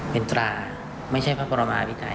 เป็นตราไม่ใช่พระปรมาวิจัย